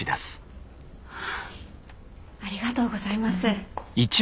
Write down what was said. ありがとうございます。